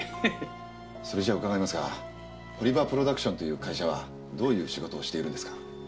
それじゃ伺いますが堀場プロダクションという会社はどういう仕事をしているんですか？